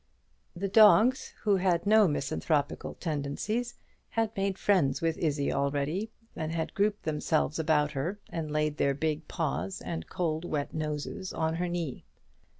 The dogs, who had no misanthropical tendencies, had made friends with Izzie already, and had grouped themselves about her, and laid their big paws and cold wet noses on her knee.